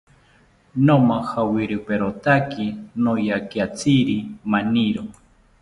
Nomajawiriperotaki noyakiatziri maniro